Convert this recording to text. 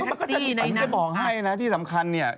อันนี้จะบอกให้นะที่สำคัญเนี่ย